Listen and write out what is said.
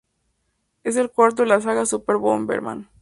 Es el cuarto de la saga Super Bomberman.